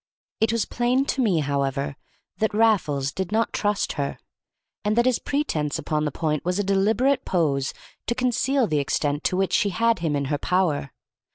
It was plain to me, however, that Raffles did not trust her, and that his pretence upon the point was a deliberate pose to conceal the extent to which she had him in her power.